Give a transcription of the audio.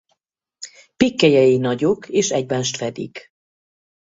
Pikkelyei nagyok és egymást fedik.